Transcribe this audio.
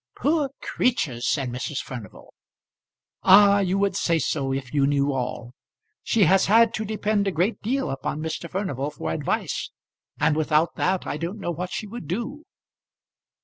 "Poor creature!" said Mrs. Furnival. "Ah, you would say so, if you knew all. She has had to depend a great deal upon Mr. Furnival for advice, and without that I don't know what she would do."